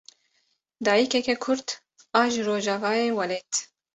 Dayîkeke kurd a ji rojavayê welêt.